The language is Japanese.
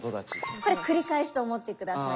これ繰り返しと思って下さい。